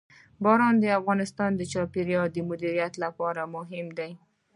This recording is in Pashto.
باران د افغانستان د چاپیریال د مدیریت لپاره مهم دي.